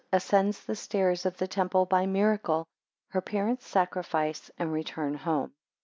6 Ascends the stairs of the temple by miracle. 8 Her parents sacrifice and return home.